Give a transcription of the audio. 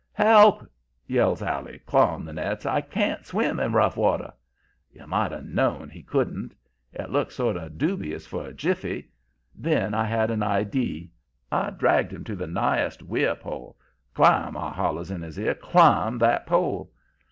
"'Help!' yells Allie, clawing the nets. 'I can't swim in rough water!' "You might have known he couldn't. It looked sort of dubious for a jiffy. Then I had an idee. I dragged him to the nighest weir pole. 'Climb!' I hollers in his ear. 'Climb that pole.'